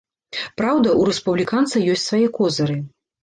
Праўда, у рэспубліканца ёсць свае козыры.